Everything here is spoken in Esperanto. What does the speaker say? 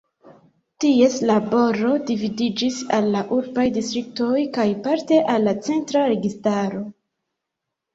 Ties laboro dividiĝis al la urbaj distriktoj kaj parte al la centra registaro.